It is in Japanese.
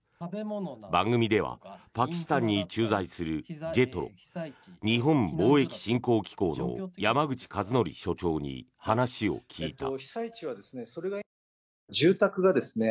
番組ではパキスタンに駐在するＪＥＴＲＯ・日本貿易振興機構の山口和紀所長に話を聞いた。